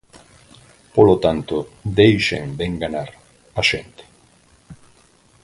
Polo tanto, deixen de enganar a xente.